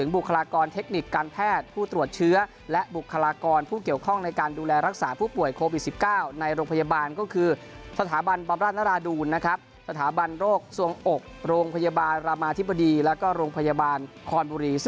แบบร่านราดูนโรคส่วงอกโรงพยาบาลรามาธิบดีและโรงพยาบาลคอนบุรี